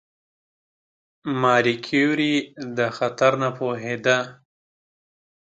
ماري کیوري دا خطر نه پوهېده.